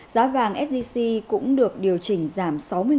giá vàng sgc cũng được điều khiển bằng một lượng giá vàng sgc